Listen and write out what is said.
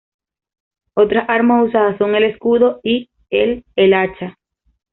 Otras armas usadas son el escudo y el el hacha.